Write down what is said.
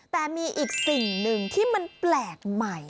แต่มีอีกสิ่งหนึ่งที่มันแปลกใหม่